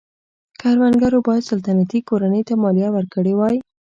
کروندګرو باید سلطنتي کورنۍ ته مالیه ورکړې وای.